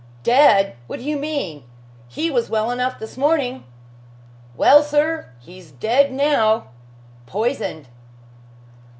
"Dead! What do you mean? He was well enough this morning." "Well, sir, he's dead now poisoned!"